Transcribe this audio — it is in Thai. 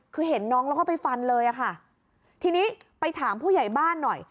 คือเห็นน้องแล้วก็ไปฟันเลยอะค่ะทีนี้ไปถามผู้ใหญ่บ้านหน่อย